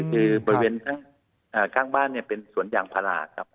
คือบริเวณข้างบ้านเป็นสวนยางพาราครับ